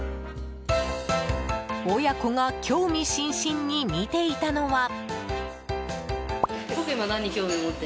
親子が興味津々に見ていたのは。